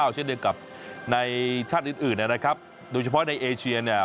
เช่นเดียวกับในชาติอื่นนะครับโดยเฉพาะในเอเชียเนี่ย